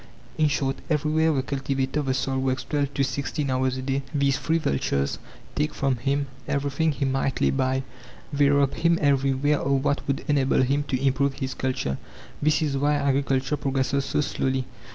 In short, everywhere the cultivator of the soil works twelve to sixteen hours a day; these three vultures take from him everything he might lay by; they rob him everywhere of what would enable him to improve his culture. This is why agriculture progresses so slowly.